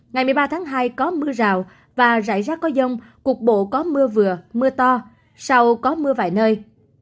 ngày một mươi ba tháng hai có mưa rào và rải rác có dông cuộc bộ có mưa vừa mưa to sau có mưa vài nơi